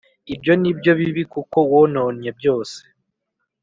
ibyo ni byo bibi kuko wononnye byose.